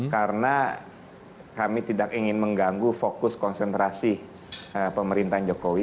karena kami tidak ingin mengganggu fokus konsentrasi pemerintahan jokowi